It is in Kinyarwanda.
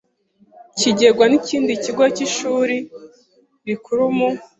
kigengwa n ikindi kigo cy ishuri rikuru mu